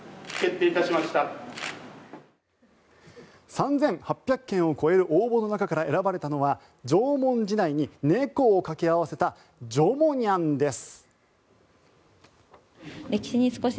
３８００件を超える応募の中から選ばれたのは縄文時代に猫を掛け合わせた「じょもにゃん」です。